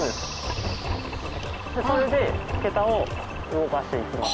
それで桁を動かしていきます。